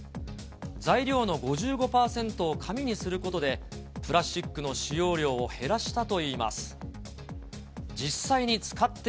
材料の５５％を紙にすることで、プラスチックの使用量を減らしたといいます。